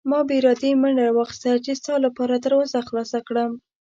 ما بې ارادې منډه واخیسته چې ستا لپاره دروازه خلاصه کړم.